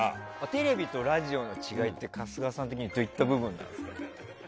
テレビとラジオの違いって春日さん的にどういった部分？